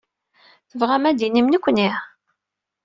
Tebɣam ad d-tinim nekkni?